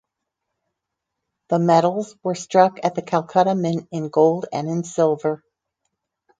The medals were struck at the Calcutta Mint in gold and in silver.